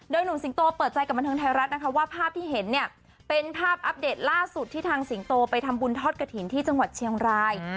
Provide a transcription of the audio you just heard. หนุ่มสิงโตเปิดใจกับบันเทิงไทยรัฐนะคะว่าภาพที่เห็นเนี่ยเป็นภาพอัปเดตล่าสุดที่ทางสิงโตไปทำบุญทอดกระถิ่นที่จังหวัดเชียงราย